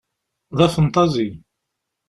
D afenṭazi.